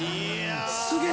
すげえ。